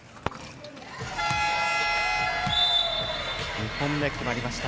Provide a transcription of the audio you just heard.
２本目、決まりました。